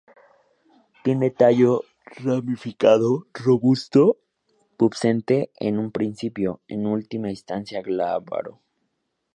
Tiene tallo ramificado, robusto, pubescente en un principio, en última instancia, glabro.